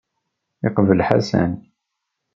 Yeqbel Ḥasan.